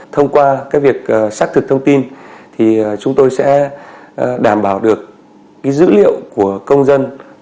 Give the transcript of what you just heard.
thông qua việc xác thực thông tin thì chúng tôi sẽ đảm bảo được dữ liệu của công dân